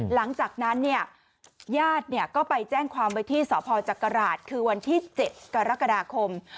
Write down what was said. หลังจากนั้นเนี่ยญาติก็ไปแจ้งความไว้ที่สพจักราชคือวันที่๗กรกฎาคม